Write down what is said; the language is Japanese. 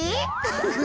フフフ。